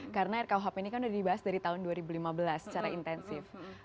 karena rkuhp ini kan sudah dibahas dari tahun dua ribu lima belas secara intensif